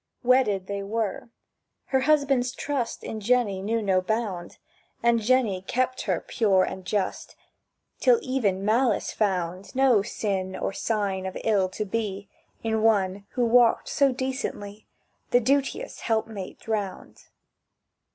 Wedded they were. Her husband's trust In Jenny knew no bound, And Jenny kept her pure and just, Till even malice found No sin or sign of ill to be In one who walked so decently The duteous helpmate's round.